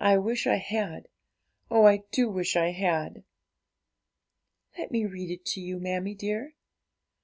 I wish I had oh, I do wish I had!' 'Let me read it to you, mammie dear.'